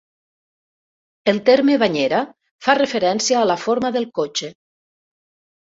El terme "banyera" fa referència a la forma del cotxe.